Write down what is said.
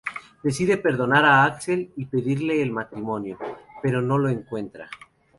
Decide perdonar a Axel y pedirle el matrimonio, pero no lo encuentra.